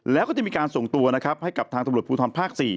แล้วก็จะมีการส่งตัวนะครับให้กับทางตำรวจภูทรภาค๔